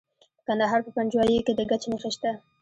د کندهار په پنجوايي کې د ګچ نښې شته.